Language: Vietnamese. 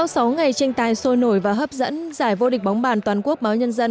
sau sáu ngày tranh tài sôi nổi và hấp dẫn giải vô địch bóng bàn toàn quốc báo nhân dân